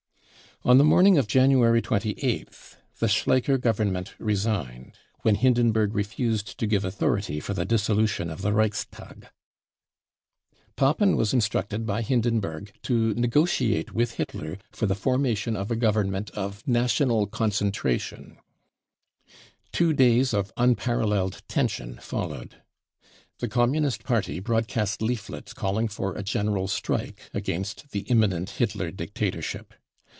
On the ^morning of January 28th the Schleicher Government resigned, when Hindenburg refused to give authority for the dissolution of the Reichstag. Papen was instructed by Hindenburg to negotiate with Hitler for the formation of a Government » I * 48 BROWN BOOK OF THE HXTLEfR TERROR J of 4 4 national concentration." Two cfeys of unparalleled * tension followed. The Communist Party broadcast leaflets „ caFiing for a general strike against the imminent Hitler dictatorship.